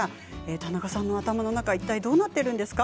田中さんの頭の中はいったいどうなっているんですか？